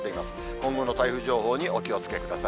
今後の台風情報にお気をつけください。